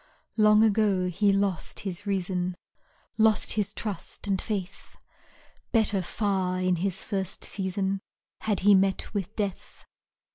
Long ago he lost his reason, Lost his trust and faith Better far in his first season Had he met with death.